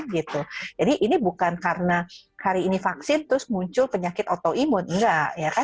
jadi ini bukan karena hari ini vaksin terus muncul penyakit autoimun enggak